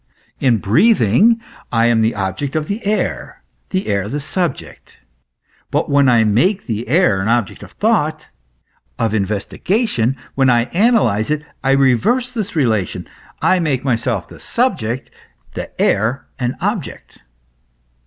In breathing I am the object of the air, the air the subject ; but when I make the air an object of thought, of investigation, when I analyze it, I reverse this relation, I make myself the subject, the air an object.